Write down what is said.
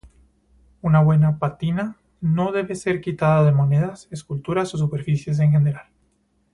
Una buena pátina no debe ser quitada de monedas, esculturas o superficies en general.